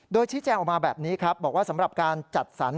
โดยชี้แจงออกมาแบบนี้ครับบอกว่าสำหรับการจัดสรร